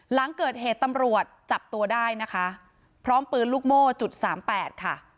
หลังเกิดเหตุตำรวจจับตัวได้นะคะพร้อมปืนลูกโม่จุดสามแปดค่ะ